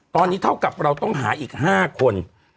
ตอนนี้เท่ากับเราต้องหาอีก๕คน